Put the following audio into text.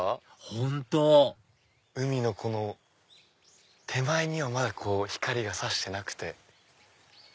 本当海のこの手前にはまだ光が差してなくて。